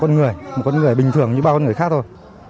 con người một con người bình thường như bao con người khác thôi